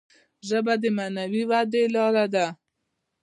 ژبه د معنوي ودي لاره ده.